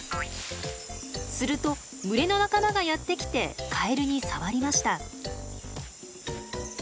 すると群れの仲間がやって来てカエルに触りました。